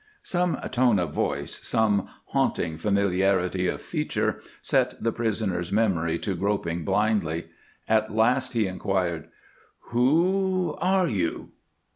Some tone of voice, some haunting familiarity of feature, set the prisoner's memory to groping blindly. At last he inquired, "Who are you?"